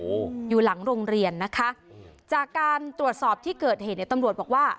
โอ้โหอยู่หลังโรงเรียนนะคะจากการตรวจสอบที่เกิดเหตุเนี่ยตำรวจบอกว่า